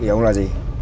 ý ông là gì